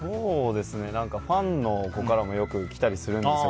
ファンの子からもよく来たりするんですよ。